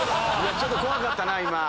ちょっと怖かったな今。